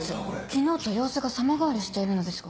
昨日と様子が様変わりしているのですが？